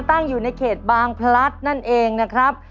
ตั้งอยู่ในเขตบางพลัดนั่นเองนะครับ